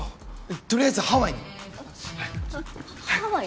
とりあえずハワイに！はハワイ？